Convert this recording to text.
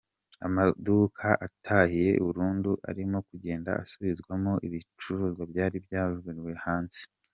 Amaduka atahiye burundu arimo kugenda asubizwamo ibicuruzwa byari byajugunywe hanze.